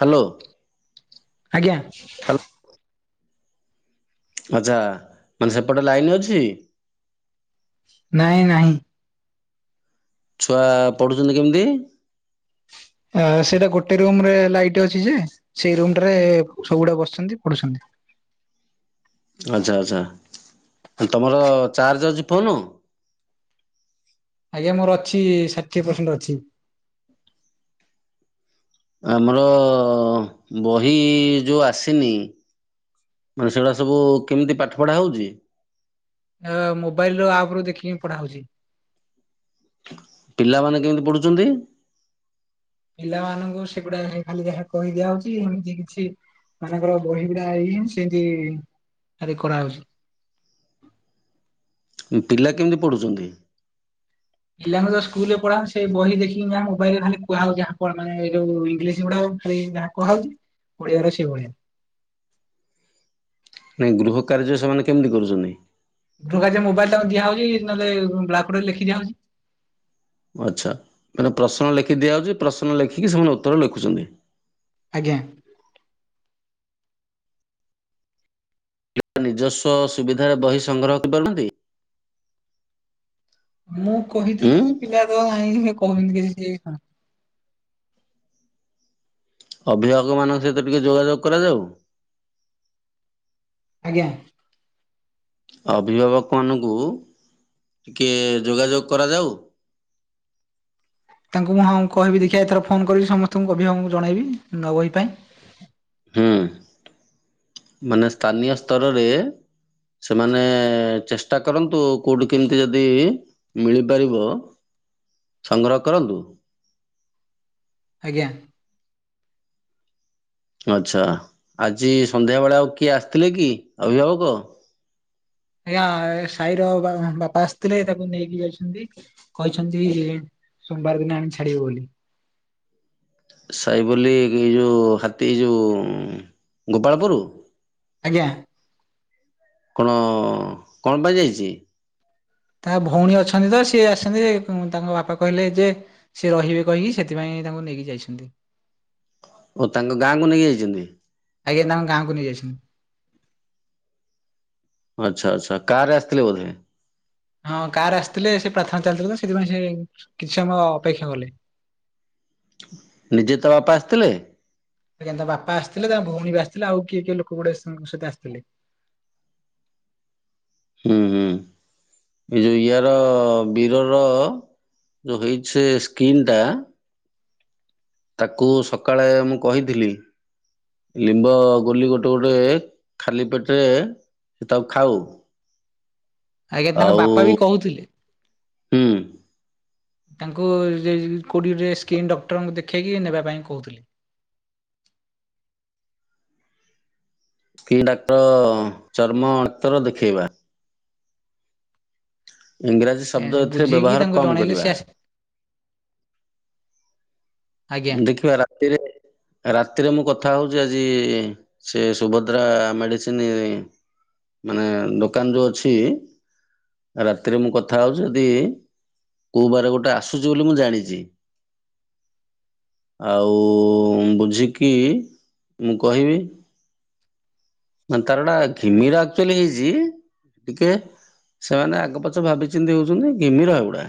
Hello. ଆଜ୍ଞା। ହାଲ। ଆଚ୍ଛା ମାନେ ସେପଟେ ଲାଇନ୍ ଅଛି। ନାଇଁ ନାହିଁ। ଛୁଆ ପଢ଼ୁଛନ୍ତି କେମିତି। ଅ ସେଇଟା ଗୋଟେ ରୁମରେ ଲାଇଟ୍ ଅଛି ଯେ। ସେଇ ରୁମ ରେ ସବୁ ଗୁଡା ବସିଛନ୍ତି ପଢୁଛନ୍ତି। ଆଚ୍ଛା ଆଚ୍ଛା ତମର ଚାର୍ଜ ଅଛି ଫୋନ୍। ଆଜ୍ଞା ମୋର ଅଛି ଷାଠିଏ ପରସେଣ୍ଟ ଅଛି। ଆମର ବହି ଯୋଉ ଆସିନି। ମାନେ ସେଗୁଡ଼ା ସବୁ କେମିତି ପାଠ ପଢ଼ା ହଉଚି। ମୋବାଇଲ ର ଆପ ରୁ ଦେଖିକି ପଢା ହଉଛି। ପିଲାମାନେ କେମିତି ପଢୁଛନ୍ତି। ପିଲାମାନାନଙ୍କୁ ସେଗୁଡା ଖାଲି ଯାହା କହିଦିଆ ହଉଛି ଏମିତି କିଛି ମାନଙ୍କର ବହି ଗୁଡା ଏଇ ହିଁ ସେମତି ଖାଲି କରା ହଉଛି। ପିଲା କେମିତି ପଢ଼ୁଛନ୍ତି। ପିଲାଙ୍କୁ ଯୋଉ ସ୍କୁଲ ରେ ପଢାହଉଛି ସେ ବହି ଦେିଖିକି ଯାହା ମୋବାଇଲ ରେ ଖାଲି କୁହା ଯାଉଛି ହପୁଆ ମାନେ ଏଯୋଊ ଇଂଲିଶ ଉଡା ଖାଲି ଯାହା କୁହା ହଉଛି ଓଡିଆର ସେ ଭଳିଆ [unintelligible] ନାଇଁ ଗୃହ କାର୍ଯ୍ୟ ସେମାନେ କେମିତି କରୁଛନ୍ତି। [unintelligible] ମୋବାଇଲ ଟା ପା ଦିଆ ହଉଛି ନହେଲେ ବ୍ଳାକ ବୋର୍ଡ ରେ ଲେଖି ଦିଆ ହଉଛି। ଆଚ୍ଛା ମାନେ ପ୍ରଶ୍ନ ଲେଖି ଦିଆହେଉଛି ପ୍ରଶ୍ନ ଲେଖିକି ସେମାନେ ଉତ୍ତର ଲେଖୁଛନ୍ତି। ଆଜ୍ଞା। ନିଜସ୍ୱ ସୁବିଧାରେ ବହି ସଂଗ୍ରହ କରିପାରୁନାହାନ୍ତି। ମୁଁ ଉଁ କହିଥିଲି ପିଲା ତ ନାହିଁ କହିବି [unintelligible] କି ସେଣ ଅଭିଭାବକମାନଙ୍କୁ ସହିତ ଟିକେ ଯୋଗାଯୋଗ କରାଯାଉ। ଆଜ୍ଞା। ଅଭିଭାବକମାନଙ୍କୁ ଟିକଏ ଯୋଗାଯୋଗ କରାଯାଉ। ତାଙ୍କୁ ମୁଁ ହଁ କହିବି ଦେଖିଆ ଏଥର ଫୋନ୍ କରିବି ସମସ୍ତଙ୍କୁ ଅଭିଭାବକଙ୍କୁ ଜଣାଇବି ନୂଆ ବହି ପାଇଁ। ହୁଁ ମାନେ ସ୍ଥାନୀୟ ସ୍ତରରେ ସେମାନେ ଚେଷ୍ଟା କରନ୍ତୁ କୋଉଠୁ କେମିତି ଯଦି ମିଳିପାରିବ ସଂଗ୍ରହ କରନ୍ତୁ। ଆଜ୍ଞା। ଆଚ୍ଛା ଆଜି ସନ୍ଧ୍ୟାବେଳେ ଆଉ କିଏ ଆସିଥିଲେ କି ଅଭିଭାବକ। ଆଜ୍ଞା ସାଇର ବାପା ଆସିଥିଲେ ତାକୁ ନେଇକି ଯାଇଛନ୍ତି। କହିଛନ୍ତି ସୋମବାର ଦିନ ଆଣିକି ଛାଡିବ ବୋଲି। ସାଇ ବୋଲି ଏ ଯୋଉ ହାତୀ ଯୋଉ ଗୋପାଳପୁର। ଆଜ୍ଞା। କଣ କଣ ପାଇଁ ଯାଇଛି। ତା ଭଉଣୀ ଅଛନ୍ତି ତ ସିଏ ଆସଛନ୍ତି ତାଙ୍କ ବାପା କହିଲେ ଯେ ସେ ରହିବେ କହିକି ସେଥିପାଇଁ ତାଙ୍କୁ ନେଇକି ଯାଇଛନ୍ତି। ଓ ତାଙ୍କ ଗାଁକୁ ନେଇକି ଯାଇଛନ୍ତି। ଆଜ୍ଞା ତା ଙ୍କ ଗାଁକୁ ନେଇଯାଇଛନ୍ତି। ଆଚ୍ଛା ଆଚ୍ଛା କାର ରେ ଆସିଥିଲେ ବୋଧେ। ହଁ କାର୍ ରେ ଆସିଥିଲେ ସେ ପ୍ରାର୍ଥନା ଚାଲିଥିଲା ତ ସେଥିପାଇଁ ସେ କିଛି ସମୟ ଅପେକ୍ଷା କଲେ। ନିଜେ ତା ବାପା ଆସିଥିଲେ। ଆଜ୍ଞ ତା ବାପା ଆସିଥିଲେ ତାଙ୍କ ଭଉଣୀ ବି ଆସିଥିଲେ ଆଉ କିଏ କିଏ ଲୋକ ଗୁଡେ ସହିତ ଆସିଥିଲେ। ହୁଁ ହୁଁ। ଏ ଯୋଉ ଇଆ ର ବିର ର ଯୋଉ ହେଇଚି ସେ ସ୍କ୍ରିନ୍ ଟା ତାକୁ ସକାଳେ ମୁଁ କହିଥିଲି। ଲିମ୍ବ ଗୁଲି ଗୋଟେ ଗୋଟେ ଖାଲି ପେଟରେ ତାକୁ ଖାଉ। ଆଜ୍ଞା ତାଙ୍କ ଆଉ ବାପା ବି କହୁଥିଲେ ହୁଁ ତାଙ୍କୁ କୋଉଠି ଟିକେ ସ୍କିନ୍ ଡକ୍ଟରଙ୍କୁ ଦେଖେଇକି ନେବା ପାଇଁ କହୁଥିଲି। କି ଡାକ୍ତର ଚର୍ମ ଅତର ଦେଖେଇବା। ଇଂରାଜୀ ଏ ଶବ୍ଦ ସେ ଏଥିରେ ବୁଝେଇକି ବ୍ୟବହାର ତାଙ୍କୁ କମ୍ ଜଣେଇଲେ ସେ କରିବା। ଆସି ଆଜ୍ଞା ଦେଖିବା ରାତିରେ ରାତିରେ ମୁଁ କଥା ହେଉଛି ଆଜି ସେ ସୁଭଦ୍ରା ମେଡ଼ିସିନ ମାନେ ଦୋକାନ ଯଉ ଅଛି ରାତିରେ ମୁଁ କଥା ହଉଛି ଯଦି କୋଉ ବାର ଗୋଟେ ଆସୁଛି ବୋଲି ମୁଁ ଜାଣିଛି। ଆଉ ବୁଝିକି ମୁଁ କହିବି ମାନେ ତାର ଗୋଟା ଘିମିର ଆକ୍ଚୁଆଲି ହେଇଛି ଟିକେ ସେମାନେ ଆଗ ପଛ ଭାବିଚିନ୍ତି ହଉଛନ୍ତି ଘିମିର ଏଗୁଡା।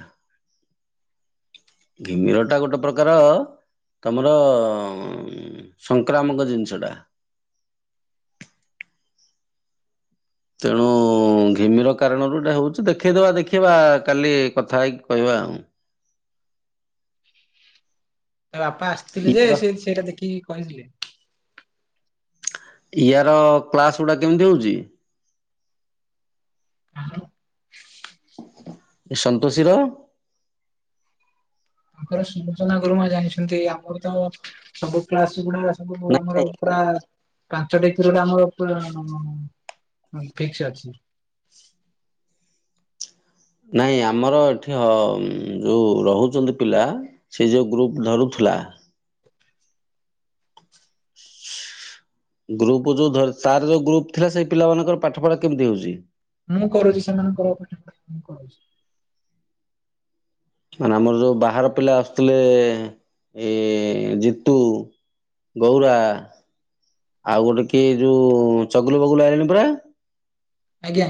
ଘିମିରଟା ଗୋଟେ ପ୍ରକାର ତମର ଅ ସଂକ୍ରାମକ ଜିନିଷଟା। ତେଣୁ ହ ଘିମିର କାରଣରୁ ଏଟା ହଉଛି ଦେଖେଇଦବା ଦେଖିବା କାଲି କଥା ହେଇକି କହିବା ଆଉ। ତା ବାପା ଆସିଥିଲେ ଯେ ସେ ସେଇଟା ଦେଖିକି କହିଥିଲେ। ଇୟାର କ୍ଲାସ୍ ଗୁଡ଼ା କେମିତି ହେଉଛି। ସନ୍ତୋଷୀର। ତାଙ୍କର ସୁଲୋଚନା ଗୁରୁମା ଜାଣିଛନ୍ତି ଆମର ତ ସବୁ କ୍ଳାସ ଗୁଡ଼ା ସବୁ ନା ଆମର ପୁରା ପାଞ୍ଚଟି କରୋଟ ଆମର ପୁରା ଫିକ୍ସ ଅଛି। [unintelligible] ନାଇଁ ଆମର ଏଠି ଅ ଯୋଉ ରହୁଛନ୍ତି ପିଲା ସେ ଯୋଉ ଗ୍ରୁପ ଧରୁଥିଲା ଗ୍ରୁପ ଯୋଉ ଧ ତାର ଯୋଉ ଗ୍ରୁପ ଥିଲା ସେଇ ପିଲାମାନଙ୍କର ପାଠ ପଢା କେମିତି ହଉଛି। ମୁଁ କରୁଛି ସେମାନଙ୍କ ର ମାନେ ଆମର ଯୋଉ ବାହାର ପିଲା ଆସୁଥିଲେ ଏ ଜିତୁ ଗୌରା ଆଉ ଗୋଟେ କିଏ ଯୋଉ ଚଗୁଲୁ ବଗୁଲୁ ଆଇିଲେଣି ପରା। ଆଜ୍ଞା।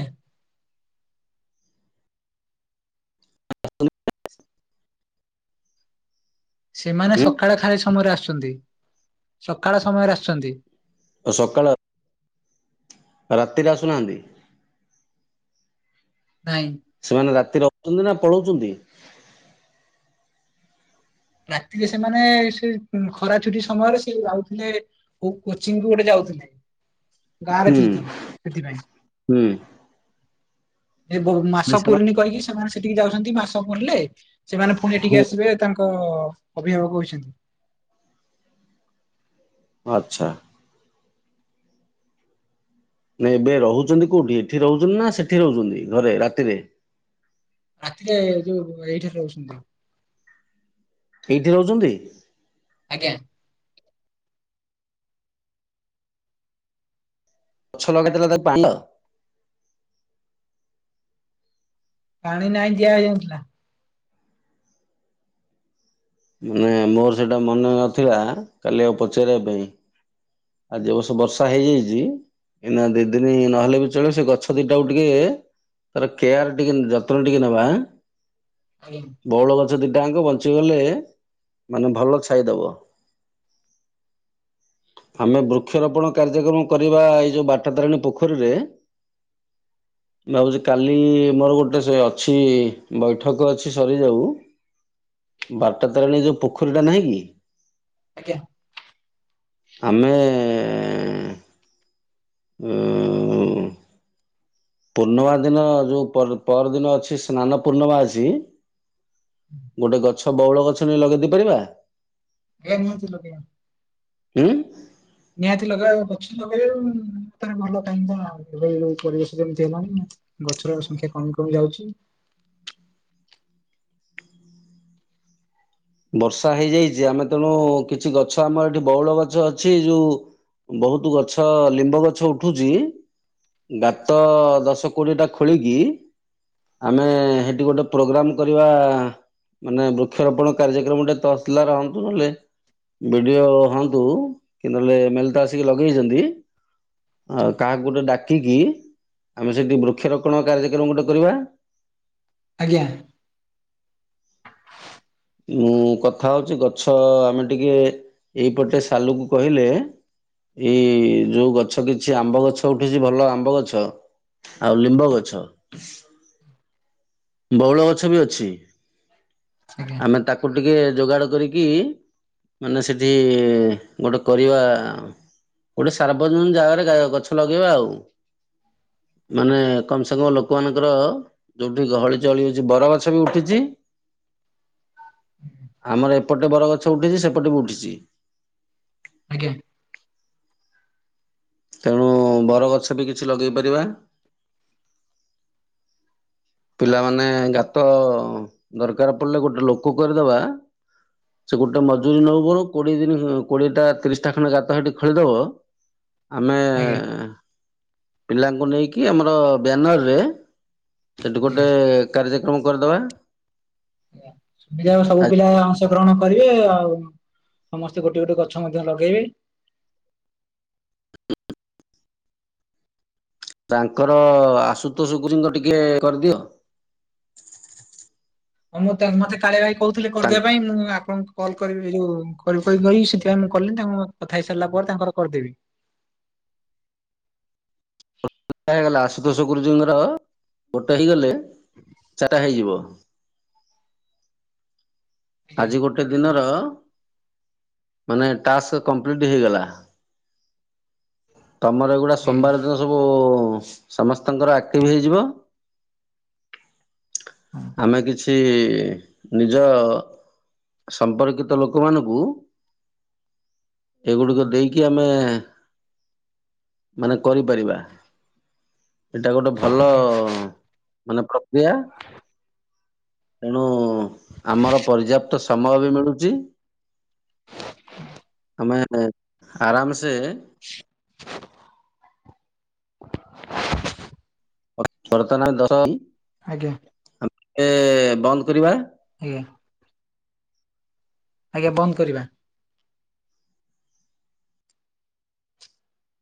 ସେମାନେ ଉଁ ସକାଳ ଖାଲି ସମୟରେ ଆସୁଛନ୍ତି ସକାଳ ସମୟରେ ଆସୁଛନ୍ତି। ଆଉ ସକାଳ ରାତିରେ ଆସୁନାହାନ୍ତି। ନାଇଁ। ସେମାନେ ରାତିରେ ରହୁଛନ୍ତି ନା ପଳଉଛନ୍ତି। ରାତିରେ ସେମାନେ ସେ ଖରା ଛୁଟି ସମୟରେ ସେ ଯାଉଥିଲେ ହଉ କୋଚିଂ କୁ ଗୋଟେ ଯାଉଥିଲି। ହୁଁ ସେଥିପାଇଁ ହୁଁ। ମାନେ ମାସ ସେମାନେ ପୁରୁନି କହିକି ସେମାନେ ସେଠିକି ଯାଉଛନ୍ତି ମାସ ପୁରିଲେ ସେମାନେ ପୁଣି ଏଠିକି ହୁଁ ଆସିବେ ଏକ ଅଭିଭାବକ ହୋଇଛନ୍ତି। ଆଛା। ନାଇଁ ଏବେ ରହୁଛନ୍ତି କୋଉଠି ଏଠି ରହୁଛନ୍ତି ନା ସେଠି ରହୁଛନ୍ତି ଘରେ ରାତିରେ। ରାତିରେ ଯୋଉ ଏଇଠାରେ ରହୁଛନ୍ତି। ଏଇଠି ରହୁଛନ୍ତି। ଆଜ୍ଞା। ଗଛ ଲଗେଇଥିଲ ତା ପାଣ୍ଡ [unintelligible] ପାଣି ନାହିଁ ଦିଆ ହେଇଯାଉଥିଲା। ମାନେ ମୋର ସେଇଟା ମନେ ନଥିଲା କାଲି ଆଉ ପଚାରିବା ପାଇଁ। ଆଜି ଅବଶ୍ୟ ବର୍ଷା ହେଇଯାଇଛି ଏଇନା ଦି ଦିନି ନହେଲେ ବି ଚଳିବ ସେ ଗଛ ଦିଟାକୁ ଟିକେ ତାର କେୟାର ଟିକେ ଯତ୍ନ ଟିକେ ନେବା। ଆଜ୍ଞା। ବଉଳ ଗଛ ଦିଇଟା ଆଙ୍କ ବଞ୍ଚିଗଲେ ମାନେ ଭଲ ଛାଇଦବ। ଆମେ ବୃକ୍ଷରୋପଣ କାର୍ଯ୍ୟକ୍ରମ କରିବା ଏଇ ଯୋଉ ବାଟ ତାରିଣୀ ପୋଖରୀରେ ଭାବୁଛି କାଲି ମୋର ଗୋଟେ ସେ ଅଛି ବୈଠକ ଅଛି ସରିଯାଉ। ବାଟା ତାରଣୀ ଯେଉଁ ପୋଖରୀଟା ନାହିଁ କି। ଆଜ୍ଞା। ଆମେ ଉଁ ପୂର୍ଣ୍ଣିମା ଦିନ ଯୋଉ ପରଦିନ ଅଛି ସ୍ନାନ ପୂର୍ଣ୍ଣିମା ଅଛି ଗୋଟେ ଗଛ ବଉଳ ଗଛ ନେଇ ଲଗେଇ ଦେଇଇ ପାରିବା। [unintelligible] ଉଁ। ନିହାତି ଲଗାଅ ଗଛ ଲଗେଇେବେ ଭଲ କାହିଁ କଣ ପରିବେଶ ଏମିତି ହେଲାଣି। ଗଛର ସଂଖ୍ୟା କମି କମି ଯାଉଛି। ବର୍ଷା ହେଇଯାଇଛି ଆମେ ତେଣୁ କିଛି ଗଛ ଆମର ଏଠି ବଉଳ ଗଛ ଅଛି ଯୋଉ ବହୁତ ଗଛ ଲିମ୍ବ ଗଛ ଉଠୁଛି। ଗାତ ଦଶ କୋଡ଼ିଏଟା ଖୋଳିକି ଆମେ ସେଠି ଗୋଟେ ପ୍ରୋଗ୍ରାମ କରିବା ମାନେ ବୃକ୍ଷରୋପଣ କାର୍ଯ୍ୟକ୍ରମ ଟେ ତହସିଲଦାର [unintelligible] କଲେ ବି ଡି ଓ ହଅନ୍ତୁ କି ନହେଲେ ଏମ ଏଲ ଏ ତ ଆସିକି ଲଗେଇଛନ୍ତି। ଆ କାହାକୁ ଗୋଟେ ଡ଼ାକିକି ଆମେ ସେଇଠି ବୃକ୍ଷରୋପଣ କାର୍ଯ୍ୟକ୍ରମ ଗୋଟେ କରିବା। ଆଜ୍ଞା। ମୁଁ କଥା ହଉଛି ଗଛ ଆମେ ଟିକେ ଏଇପଟେ ସାଲୁକୁ କହିଲେ ଏଇ ଯୋଉ ଗଛ କିଛି ଆମ୍ବ ଗଛ ଉଠୁଛି ଭଲ ଆମ୍ବ ଗଛ। ଆଉ ଲିମ୍ବ ଗଛ। ବଉଳ ଗଛ ବି ଅଛି ଆଜ୍ଞା ଆମେ ତାକୁ ତାକୁ ଟିକେ ଯୋଗାଡ଼ କରିକି ମାନେ ସେଠି ଗୋଟେ କରିବା ଗୋଟେ ସାର୍ବଜନୀନ ଜାଗାରେ ଗଛ ଲଗେଇବା ଆଉ। ମାନେ କମ ସେ କମ ଲୋକମାନାନଙ୍କର ଯୋଉଠି ଗହଳି ଜଳି ହୋଉଛି ବରଗଛ ବି ଉଠିଛି। ଆମର ଏପଟେ ବରଗଛ ଉଠିଛି ସେପଟେ ବି ଉଠିଛି। ଆଜ୍ଞା। ତେଣୁ ବରଗଛ ବି କିଛି ଲଗେଇ ପାରିବା। ପିଲାମାନେ ଗାତ ଦରକାର ପଡ଼ିଲେ ଗୋଟେ ଲୋକ କରିଦେବା। ସେ ଗୋଟେ ମଜୁରୀ ନେଉ ବରଂ କୋଡ଼ିଏ ଦିନ କୋଡ଼ିଏଟା ତିରିଶଟା ଖଣ୍ଡେ ଗାତ ସେଇଠି ଖୋଳିଦବ ଆମେ ଆଜ୍ଞା ପିଲାଙ୍କୁ ନେଇକି ଆମର ବ୍ୟାନର ରେ ସେଠି ଗୋଟେ ଆଜ୍ଞା। କାର୍ଯ୍ୟକ୍ରମ କରିଦବା। ସବୁ ପିଲା ଅଂଶଗ୍ରହଣ କରିବେ ଆଉ। ସମସ୍ତେ ଗୋଟେ ଗୋଟେ ଗଛ ମଧ୍ୟ ଲଗେଇବେ। ତାଙ୍କର ଆଶୁତୋଶ ଗୁରୁଙ୍କ ଟିକେ କରିଦିଅ। ହଁ ମୁଁ ମତେ କାଳିଆ ଭାଇ କହୁଥିଲି କରିଦେବା ତାଙ୍କ ପାଇଁ ମୁଁ ଆପଣଙ୍କୁ କଲ କରିବି ଯୋଉ କରି ସେଥିପାଇଁ ମୁଁ କଲିିନି ତାଙ୍କୁ କଥା ହେଇ ସାରିଲା ପରେ ତାଙ୍କର କରିଦେବି। ହେଇଗଲା ଆଶୁତୋଷ ଗୁରୁଜୀଙ୍କର ଗୋଟେ ହେଇଗଲେ ଚାଟା ହେଇଯିବ। ଆଜ୍ଞା ଆଜି ଗୋଟେ ଦିନର ମାନେ ଟାସ୍କ କମ୍ପ୍ଲିଟ ହେଇଗଲା। ତମର ଏଗୁଡ଼ା ସୋମବାର ଦିନ ସବୁ ସମସ୍ତଙ୍କର ଆକ୍ଟିଭ ହେଇଯିବ। ଆମେ କିଛି ନିଜ ସମ୍ପର୍କିତ ଲୋକମାନଙ୍କୁ ଏଗୁଡ଼ିକ ଦେଇକି ଆମେ ମାନେ କରିପାରିବା, ଏଟା ଗୋଟେ ଭଲ ମାନେ ତେଣୁ ଆମର ପର୍ଯ୍ୟାପ୍ତ ସମୟ ବି ମିଳୁଚି। [unintelligible] [inaudible] [unintelligible] [inaudible] ଆଜ୍ଞା। ବନ୍ଦ୍ କରିବା। [inaudible] ଆଜ୍ଞା, ବନ୍ଦ୍ କରିବା।